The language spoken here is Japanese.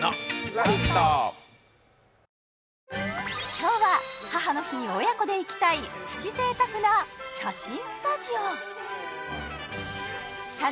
今日は母の日に親子で行きたいプチ贅沢な写真スタジオ